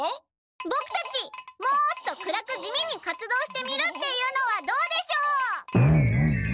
ボクたちもっと暗く地味に活動してみるっていうのはどうでしょう？